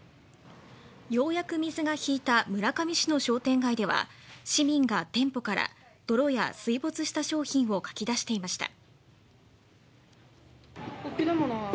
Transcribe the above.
ようやく水が引いた村上市の商店街では市民が店舗から泥や水没した商品をかき出していました。